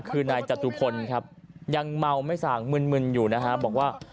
คือนายจตุพลครับยังเมาไม่สั่งมึนอยู่นะฮะบอกว่า